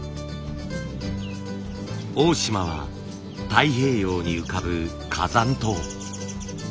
大島は太平洋に浮かぶ火山島。